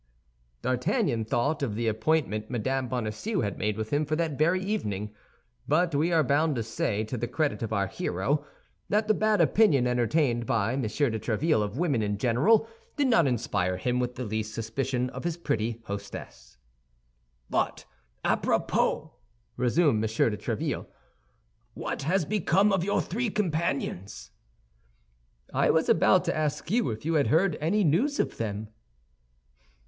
D'Artagnan thought of the appointment Mme. Bonacieux had made with him for that very evening; but we are bound to say, to the credit of our hero, that the bad opinion entertained by M. de Tréville of women in general, did not inspire him with the least suspicion of his pretty hostess. "But, à propos," resumed M. de Tréville, "what has become of your three companions?" "I was about to ask you if you had heard any news of them?"